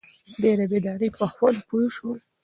دی د بیدارۍ په خوند پوه شو.